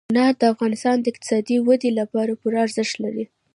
انار د افغانستان د اقتصادي ودې لپاره پوره ارزښت لري.